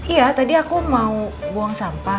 iya tadi aku mau buang sampah